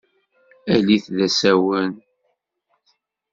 Alit d asawen.